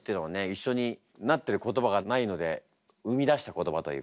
一緒になってる言葉がないので生み出した言葉というかね